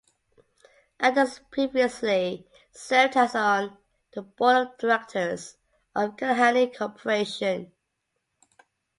Adams previously served as on the Board of Directors of Alleghany Corporation.